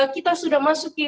kita sudah masuk kelima